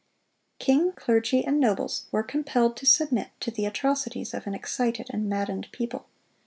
King, clergy, and nobles were compelled to submit to the atrocities of an excited and maddened people.